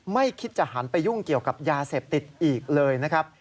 ไม่คิดจะหันไปยุ่งเกี่ยวกับยาเสพติดอีกเลยนะครับ